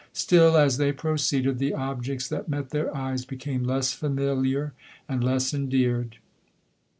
Still as they proceeded the objects that met their eyes became less familiar and le*> endeared.